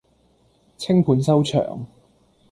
淸盤收場